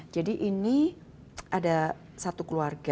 jadi ini ada satu keluarga